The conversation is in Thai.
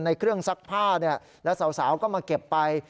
ในเครื่องซักผ้าแล้วสาวก็มาเก็บไป